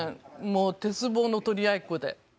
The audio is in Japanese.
もう鉄棒の取り合いっこで。